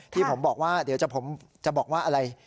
ที่ผมบอกว่าเดี๋ยวผมจะบอกว่าอะไร